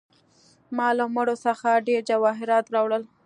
ما له مړو څخه ډیر جواهرات راوړل.